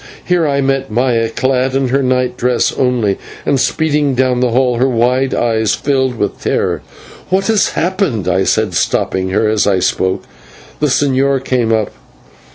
Here I met Maya, clad in her night dress only, and speeding down the hall, her wide eyes filled with terror. "What has happened?" I said, stopping her; and, as I spoke, the señor came up.